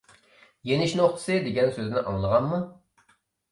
"يېنىش نۇقتىسى" دېگەن سۆزنى ئاڭلىغانمۇ؟